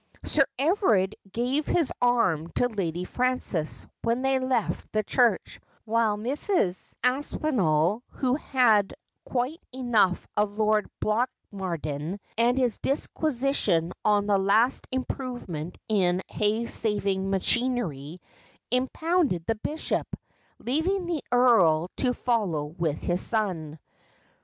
Sir Everard gave his arm to Lady Frances when they left the church, while Mrs. Aspinall, who had had quite enough of Lord Blatchmardean and his disquisilion on the last improvement in hay saving machinery, impounded the bishop, leaving the earl to follow with his son.